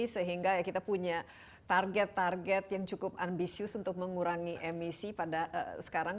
sehingga kita punya target target yang cukup ambisius untuk mengurangi emisi pada sekarang